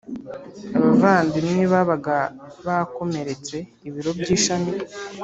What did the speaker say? abavandimwe babaga bakomeretse Ibiro by ishami